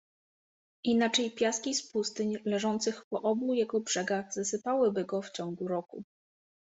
Inaczej piaski z pustyń, leżących po obu jego brzegach, zasypałyby go w ciągu roku.